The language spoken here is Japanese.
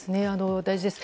大事です。